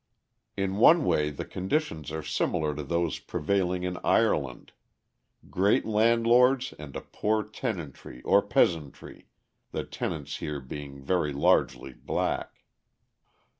In one way the conditions are similar to those prevailing in Ireland; great landlords and a poor tenantry or peasantry, the tenants here being very largely black.